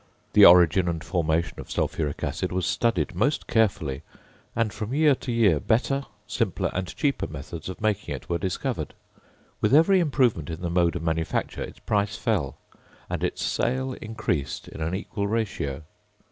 The origin and formation of sulphuric acid was studied most carefully; and from year to year, better, simpler, and cheaper methods of making it were discovered. With every improvement in the mode of manufacture, its price fell; and its sale increased in an equal ratio.